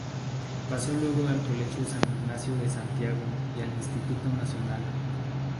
Pasó luego al Colegio San Ignacio de Santiago y al Instituto Nacional.